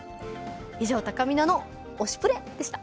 以上たかみなの「推しプレ！」でした。